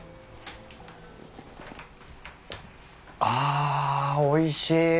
あおいしい。